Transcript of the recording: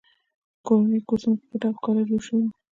کورني کورسونه په پټه او ښکاره جوړ شوي وو